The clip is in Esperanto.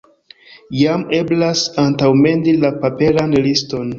Jam eblas antaŭmendi la paperan liston.